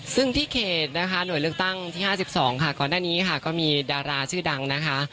ซึ่งที่เขตนะคะหน่วยเลือกตั้งที่๕๒ค่ะก่อนหน้านี้ค่ะก็มีดาราชื่อดังนะคะ